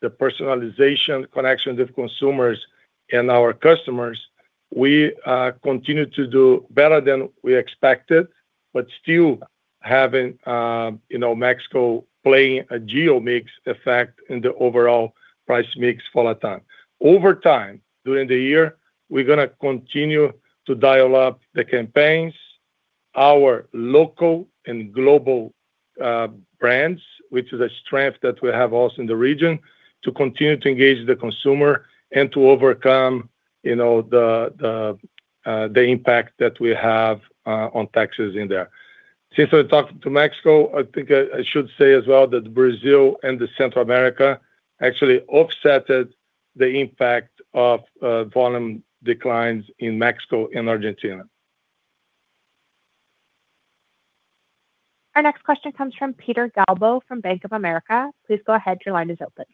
the personalization connections with consumers and our customers, we continue to do better than we expected. Still having, you know, Mexico playing a geo-mix effect in the overall price/mix volatile. Over time, during the year, we're gonna continue to dial up the campaigns, our local and global brands, which is a strength that we have also in the region, to continue to engage the consumer and to overcome, you know, the impact that we have on taxes in there. Since we're talking to Mexico, I think I should say as well that Brazil and the Central America actually offset the impact of volume declines in Mexico and Argentina. Our next question comes from Peter Galbo from Bank of America. Please go ahead, your line is open.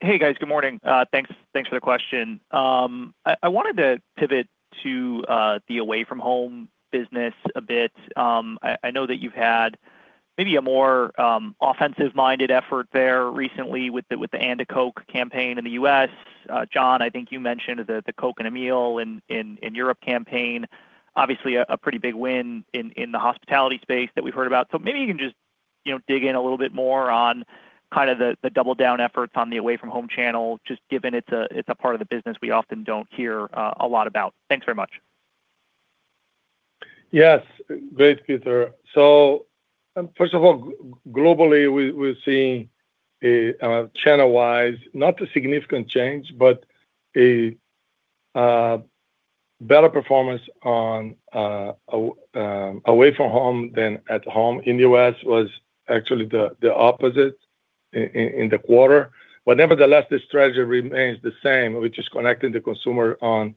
Hey, guys. Good morning. thanks for the question. I wanted to pivot to the away-from-home business a bit. I know that you've had maybe a more offensive-minded effort there recently with the And a Coke campaign in the U.S. John, I think you mentioned the Coke and a meal in Europe campaign. Obviously a pretty big win in the hospitality space that we've heard about. Maybe you can just, you know, dig in a little bit more on kind of the double down efforts on the away-from-home channel, just given it's a part of the business we often don't hear a lot about. Thanks very much. Yes. Great, Peter. First of all, globally, we're seeing a channel-wise, not a significant change, but a better performance on away-from-home than at home. In the U.S. was actually the opposite in the quarter. Nevertheless, the strategy remains the same, which is connecting the consumer on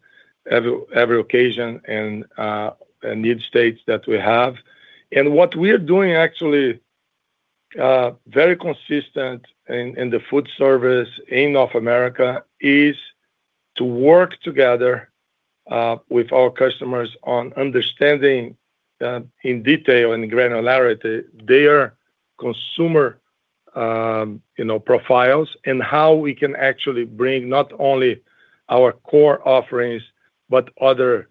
every occasion and need states that we have. What we're doing actually, very consistent in the food service in North America, is to work together with our customers on understanding in detail and granularity, their consumer, you know, profiles, and how we can actually bring not only our core offerings, but other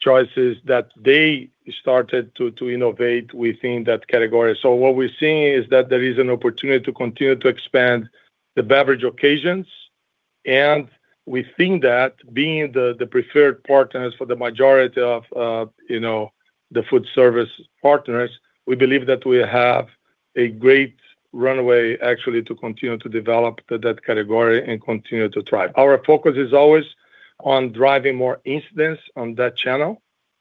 choices that they started to innovate within that category. What we're seeing is that there is an opportunity to continue to expand the beverage occasions. We think that being the preferred partners for the majority of, you know, the food service partners, we believe that we have a great runway actually to continue to develop that category and continue to thrive. Our focus is always on driving more incidents on that channel.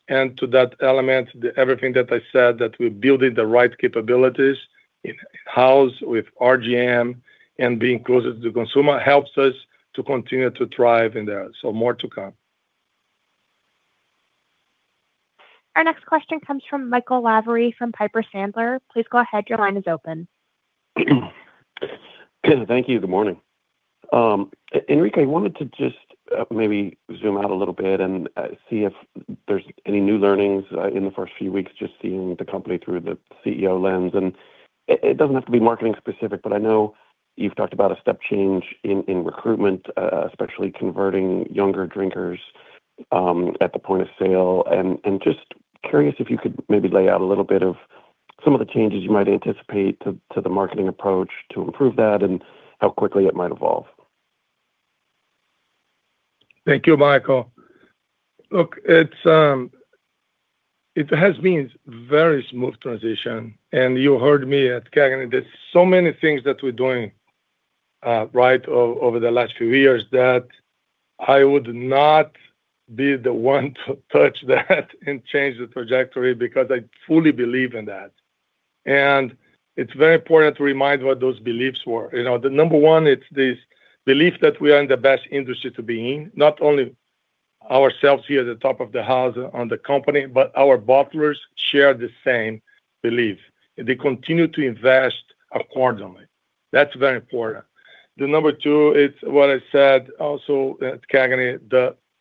To that element, everything that I said, that we're building the right capabilities in in-house with RGM and being closer to consumer helps us to continue to thrive in there. More to come. Our next question comes from Michael Lavery from Piper Sandler. Please go ahead, your line is open. Thank you. Good morning. Henrique, I wanted to just maybe zoom out a little bit and see if there's any new learnings in the first few weeks just seeing the company through the CEO lens. It, it doesn't have to be marketing specific. But I know you've talked about a step change in recruitment, especially converting younger drinkers at the point of sale. Just curious if you could maybe lay out a little bit of some of the changes you might anticipate to the marketing approach to improve that, and how quickly it might evolve. Thank you, Michael. Look, it's been very smooth transition. You heard me at CAGNY, there's so many things that we're doing right over the last few years that I would not be the one to touch that and change the trajectory, because I fully believe in that. It's very important to remind what those beliefs were. You know, the number one, it's this belief that we are in the best industry to be in. Not only ourselves here at the top of the house on the company, but our bottlers share the same belief. They continue to invest accordingly. That's very important. The number two is what I said also at CAGNY,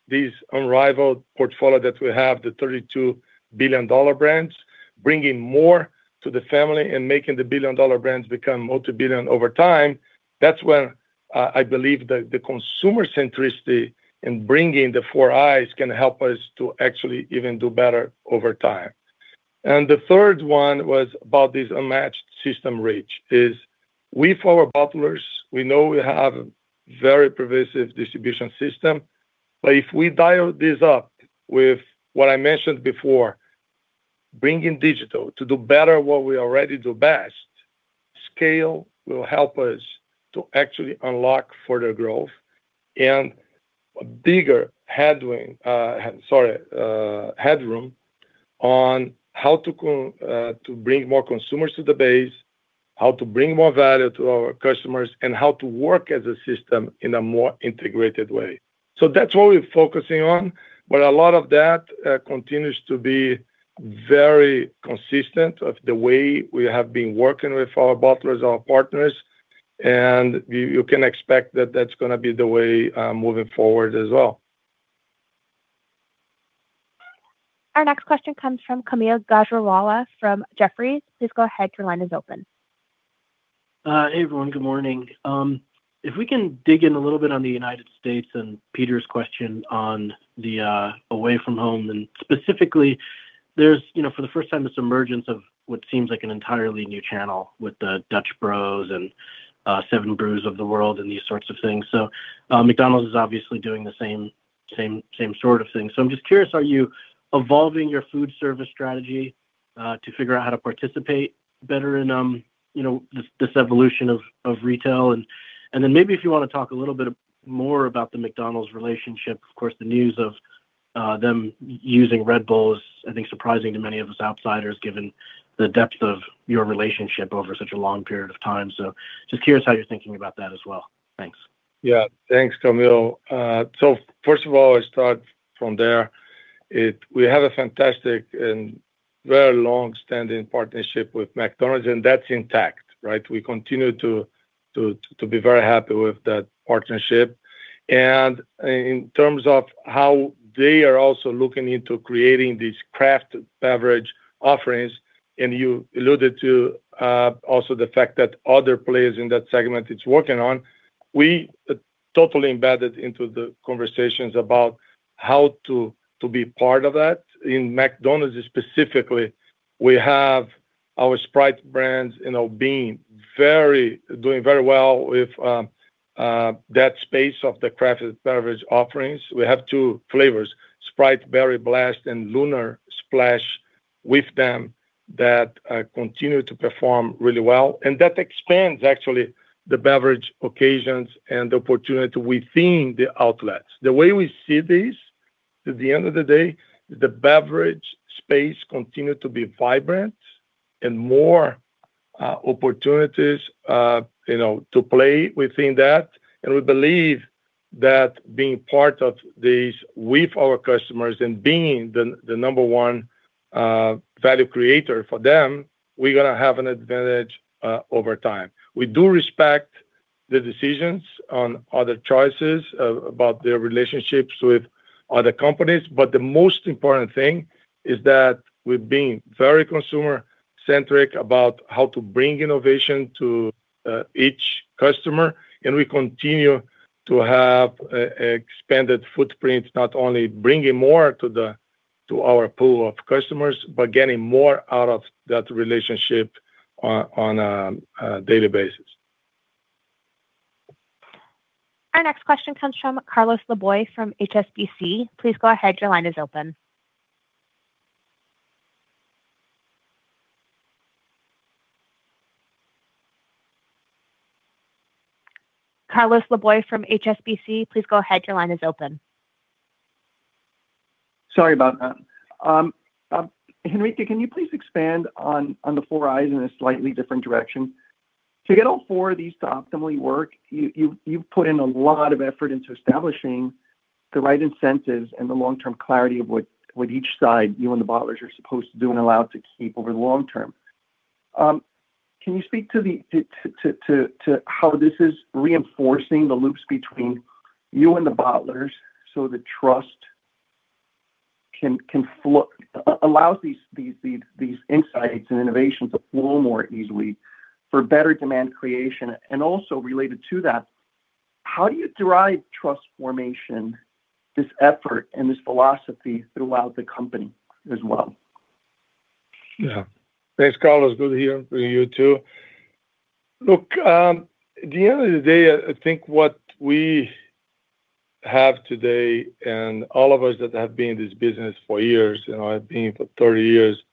this unrivaled portfolio that we have, the $32 billion brands, bringing more to the family and making the billion-dollar brands become multi-billion over time. That's where I believe the consumer centricity in bringing the four I's can help us to actually even do better over time. The third one was about this unmatched system reach, is with our bottlers, we know we have very pervasive distribution system. If we dial this up with what I mentioned before, bringing digital to do better what we already do best, scale will help us to actually unlock further growth and bigger headroom on how to bring more consumers to the base, how to bring more value to our customers, and how to work as a system in a more integrated way. That's what we're focusing on, but a lot of that continues to be very consistent of the way we have been working with our bottlers, our partners. And you can expect that that's gonna be the way moving forward as well. Our next question comes from Kaumil Gajrawala from Jefferies. Please go ahead, your line is open. Hey, everyone. Good morning. If we can dig in a little bit on the United States. and Peter's question on the away-from-home, and specifically there's, you know, for the first time, this emergence of what seems like an entirely new channel with the Dutch Bros and 7 Brew of the world and these sorts of things. McDonald's is obviously doing the same sort of thing. I'm just curious, are you evolving your food service strategy to figure out how to participate better in, you know, this evolution of retail? Maybe if you wanna talk a little bit more about the McDonald's relationship. Of course, the news of them using Red Bull is, I think, surprising to many of us outsiders given the depth of your relationship over such a long period of time. Just curious how you're thinking about that as well. Thanks. Yeah. Thanks, Kaumil. First of all, I start from there. We have a fantastic and very long-standing partnership with McDonald's, and that's intact, right? We continue to be very happy with that partnership. In terms of how they are also looking into creating these craft beverage offerings, and you alluded to also the fact that other players in that segment it's working on, we totally embedded into the conversations about how to be part of that. In McDonald's specifically, we have our Sprite brands, you know, doing very well with that space of the crafted beverage offerings. We have two flavors, Sprite Berry Blast and Lunar Splash, with them that continue to perform really well. That expands actually the beverage occasions and the opportunity within the outlets. The way we see this, at the end of the day, the beverage space continue to be vibrant and more opportunities, you know, to play within that. We believe that being part of this with our customers and being the number one value creator for them, we're gonna have an advantage over time. We do respect the decisions on other choices about their relationships with other companies, but the most important thing is that we're being very consumer-centric about how to bring innovation to each customer. We continue to have a expanded footprint, not only bringing more to our pool of customers, but getting more out of that relationship on a daily basis. Our next question comes from Carlos Laboy from HSBC. Please go ahead, your line is open. Carlos Laboy from HSBC. Please go ahead, your line is open. Sorry about that. Henrique, can you please expand on the four I's in a slightly different direction? To get all four of these to optimally work, you've put in a lot of effort into establishing the right incentives and the long-term clarity of what each side, you and the bottlers, are supposed to do and allowed to keep over the long term. Can you speak to how this is reinforcing the loops between you and the bottlers so the trust can flow, allows these Insights and Innovations to flow more easily for better demand creation? Also related to that, how do you derive trust formation, this effort and this philosophy throughout the company as well? Yeah. Thanks, Carlos. Good to hear from you too. Look, at the end of the day, I think what we have today and all of us that have been in this business for years, you know, I've been for 30 years,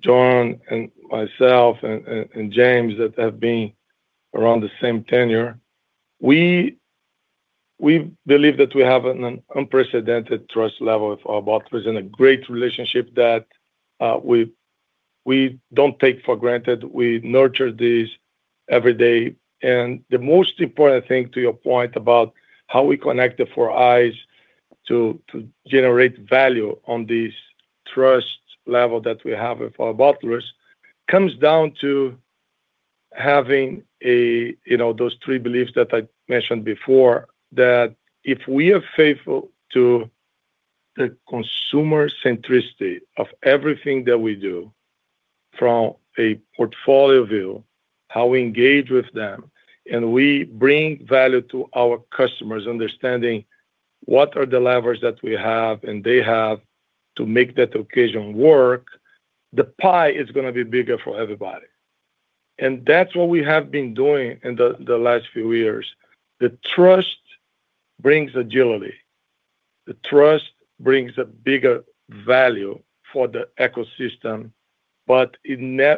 John and myself and James that have been around the same tenure, we believe that we have an unprecedented trust level with our bottlers and a great relationship that we don't take for granted. We nurture this every day. The most important thing, to your point about how we connect the four I's to generate value on this trust level that we have with our bottlers, comes down to having a. You know, those three beliefs that I mentioned before, that if we are faithful to the consumer centricity of everything that we do from a portfolio view, how we engage with them, and we bring value to our customers, understanding what are the levers that we have and they have to make that occasion work, the pie is gonna be bigger for everybody. That's what we have been doing in the last few years. The trust brings agility. The trust brings a bigger value for the ecosystem, but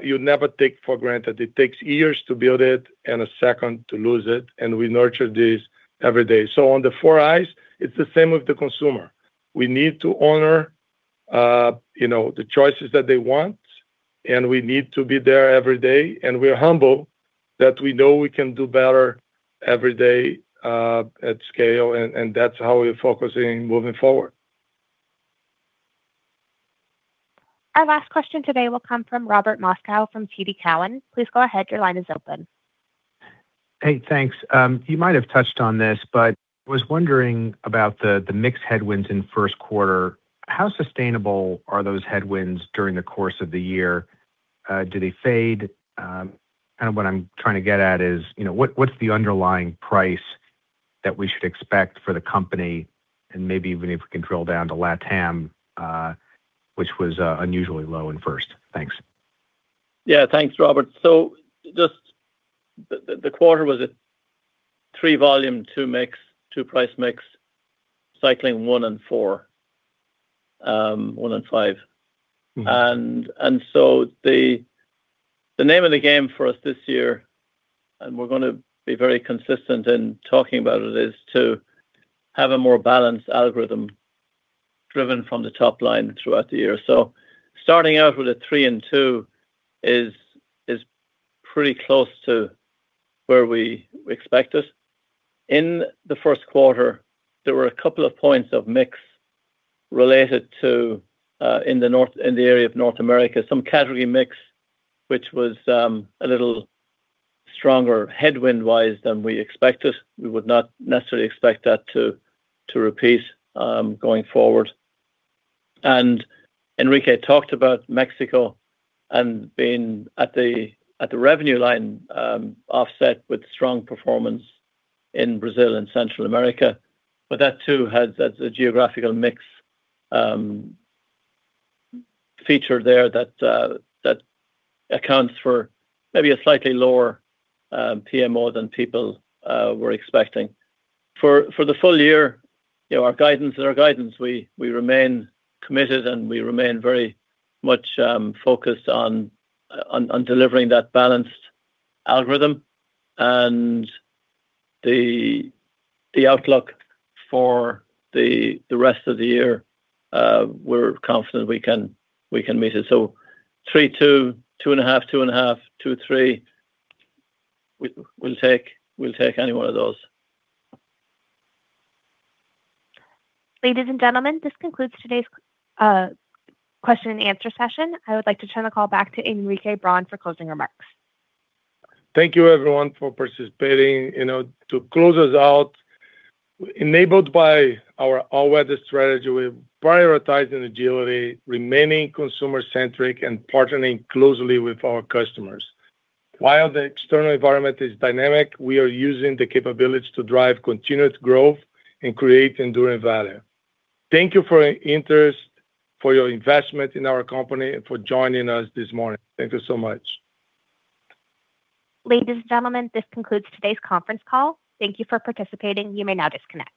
you never take for granted. It takes years to build it and a second to lose it, and we nurture this every day. On the four I's, it's the same with the consumer. We need to honor, you know, the choices that they want, and we need to be there every day, and we're humble that we know we can do better every day, at scale. That's how we're focusing moving forward. Our last question today will come from Robert Moskow from TD Cowen. Please go ahead, your line is open. Hey, thanks. You might have touched on this, was wondering about the mix headwinds in first quarter. How sustainable are those headwinds during the course of the year? Do they fade? Kind of what I'm trying to get at is, you know, what's the underlying price that we should expect for the company? Maybe even if we can drill down to LatAm, which was unusually low in first. Thanks. Yeah. Thanks, Robert. Just the quarter was a 3% volume, 2% mix, 2% price/mix, cycling 1% and 4%, 1% and 5%. Mm-hmm. The name of the game for us this year, and we're gonna be very consistent in talking about it, is to have a more balanced algorithm driven from the top line throughout the year. Starting out with a three and two is pretty close to where we expected. In the first quarter, there were a couple of points of mix related to in the North, in the area of North America, some category mix, which was a little stronger headwind-wise than we expected. We would not necessarily expect that to repeat going forward. Henrique talked about Mexico and being at the revenue line, offset with strong performance in Brazil and Central America. That too has as a geographical mix feature there that accounts for maybe a slightly lower PMO than people were expecting. For the full year, you know, our guidance is our guidance. We remain committed and we remain very much focused on delivering that balanced algorithm. The outlook for the rest of the year, we're confident we can meet it. 3%, 2.5%, 2.5%, 2%, 3%, we'll take any one of those. Ladies and gentlemen, this concludes today's question-and-answer session. I would like to turn the call back to Henrique Braun for closing remarks. Thank you everyone for participating. You know, to close us out, enabled by our all-weather strategy, we're prioritizing agility, remaining consumer-centric, and partnering closely with our customers. While the external environment is dynamic, we are using the capabilities to drive continuous growth and create enduring value. Thank you for your interest, for your investment in our company, and for joining us this morning. Thank you so much. Ladies and gentlemen, this concludes today's conference call. Thank you for participating. You may now disconnect.